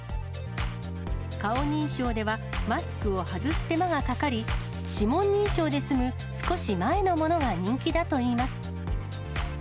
顔認証ではマスクを外す手間がかかり、指紋認証で済む少し前のものが人気だといいます。